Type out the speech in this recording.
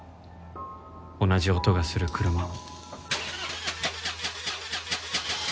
同じ音がする車を。